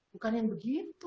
bukan yang begitu